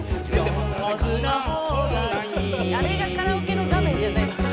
あれがカラオケの画面じゃないですよ。